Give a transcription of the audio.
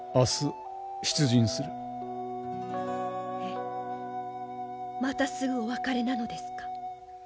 えっまたすぐお別れなのですか？